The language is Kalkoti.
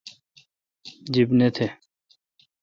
جب نہ تھ